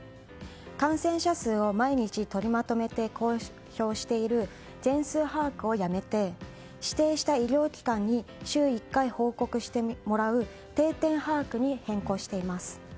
感染者数を毎日取りまとめて公表している全数把握をやめて指定した医療機関に週１回報告してもらう定点把握に変更しています。